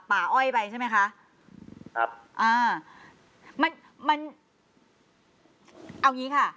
อ้อยไปใช่ไหมคะครับอ่ามันมันเอางี้ค่ะ